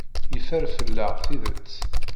Yeffer fell-aɣ tidet.